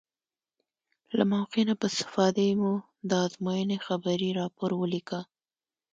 له موقع نه په استفادې مو د ازموینې خبري راپور ولیکه.